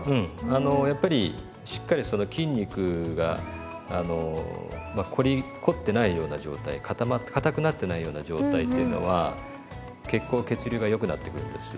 あのやっぱりしっかりその筋肉が凝ってないような状態かたくなってないような状態っていうのは血行血流がよくなっていくんです。